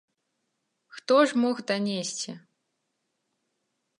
Хто ж мог данесці?